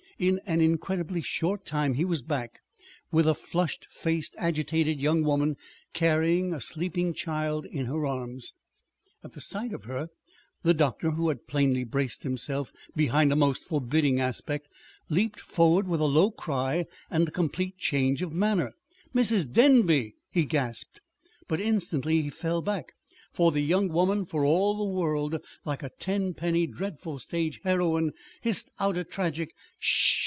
In an incredibly short time he was back with a flushed faced, agitated young woman carrying a sleeping child in her arms. At sight of her, the doctor, who had plainly braced himself behind a most forbidding aspect, leaped forward with a low cry and a complete change of manner. "Mrs. Denby!" he gasped. But instantly he fell back; for the young woman, for all the world like a tenpenny dreadful stage heroine, hissed out a tragic "Sh h!